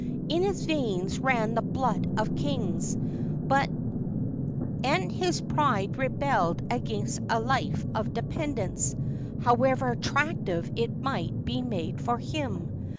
In his veins ran the blood of kings, and his pride rebelled against a life of dependence, however attractive it might be made for him.